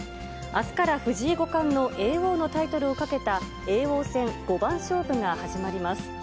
あすから藤井五冠の叡王のタイトルをかけた叡王戦五番勝負が始まります。